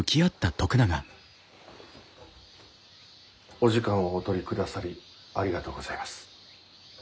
お時間をお取りくださりありがとうございます。